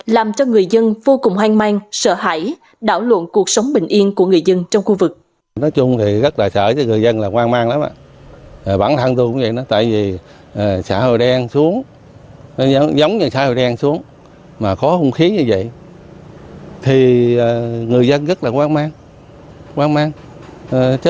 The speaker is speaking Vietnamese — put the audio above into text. làm cho người dân vô cùng hoang mang sợ hãi đảo luận cuộc sống bình yên của người dân trong khu vực